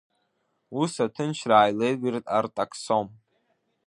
Ус аҭынчра ааилеигеит Артаксом.